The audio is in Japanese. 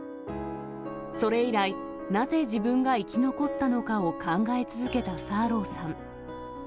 それ以来、なぜ自分が生き残ったのかを考え続けたサーローさん。